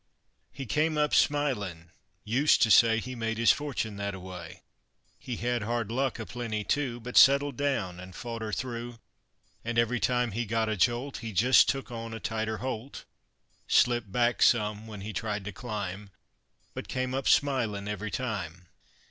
He came up smilin' used to say He made his fortune that a way; He had hard luck a plenty, too, But settled down an' fought her through; An' every time he got a jolt He jist took on a tighter holt, Slipped back some when he tried to climb But came up smilin' every time.